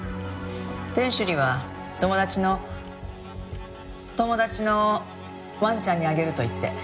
店主には友達の友達のワンちゃんにあげると言って。